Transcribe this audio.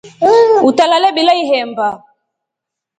Utalale bila ihemba.